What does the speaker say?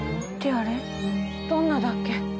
あれどんなだっけ？